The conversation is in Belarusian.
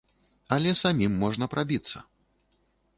Але самім можна прабіцца.